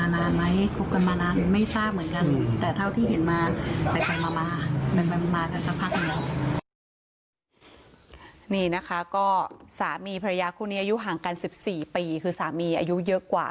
นี่นะคะก็สามีพระยาคู่นี้อายุห่างกัน๑๔ปีคือสามีอายุเยอะกว่า